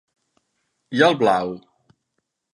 I el blau?